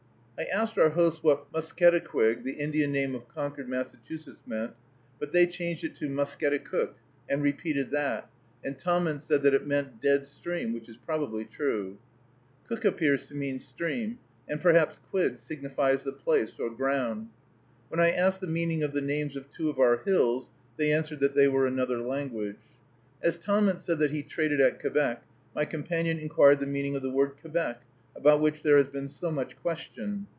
I asked our hosts what Musketaquid, the Indian name of Concord, Massachusetts, meant; but they changed it to Musketicook, and repeated that, and Tahmunt said that it meant Dead Stream, which is probably true. Cook appears to mean stream, and perhaps quid signifies the place or ground. When I asked the meaning of the names of two of our hills, they answered that they were another language. As Tahmunt said that he traded at Quebec, my companion inquired the meaning of the word Quebec, about which there has been so much question.